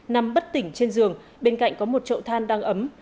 nằm bất tỉnh trên giường bên cạnh có một trậu than đang ấm